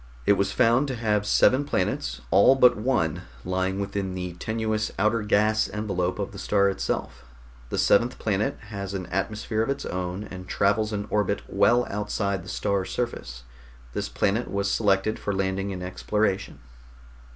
It was found to have seven planets, all but one lying within the tenuous outer gas envelope of the star itself. The seventh planet has an atmosphere of its own, and travels an orbit well outside the star surface. This planet was selected for landing and exploration."